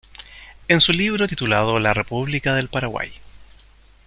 En su libro titulado La República del Paraguay.